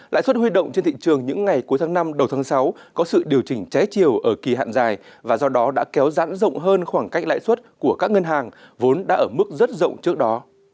lãi suất huy động trên thị trường những ngày cuối tháng năm đầu tháng sáu có sự điều chỉnh trái chiều ở kỳ hạn dài và do đó đã kéo rãn rộng hơn khoảng cách lãi suất của các ngân hàng vốn đã ở mức rất rộng trước đó